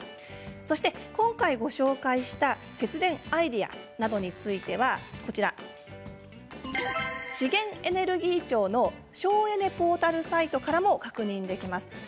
そして今回ご紹介した節電アイデアなどについては資源エネルギー庁の省エネポータルサイトからも確認できます。